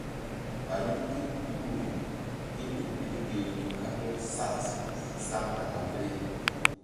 Ɓayu ké puhri ke ƴo ɓil ŋgermu kandɔk saɗ centrafirik.